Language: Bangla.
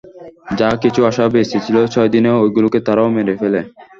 যা কিছু আশা বেঁচেছিলো ছয় দিনে এগুলোকেও তারা মেরে ফেলে।